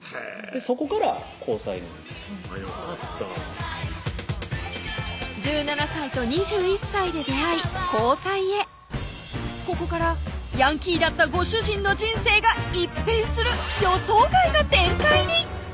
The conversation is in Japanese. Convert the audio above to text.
そこから交際によかった１７歳と２１歳で出会い交際へここからヤンキーだったご主人の人生が一変する予想外な展開に！